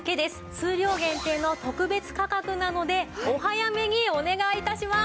数量限定の特別価格なのでお早めにお願い致します。